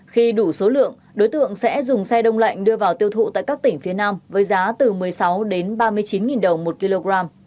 khi đủ số lượng đối tượng sẽ dùng xe đông lạnh đưa vào tiêu thụ tại các tỉnh phía nam với giá từ một mươi sáu đến ba mươi chín đồng một kg